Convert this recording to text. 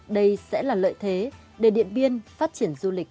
đây sẽ là lợi thế để điện biên phát triển du lịch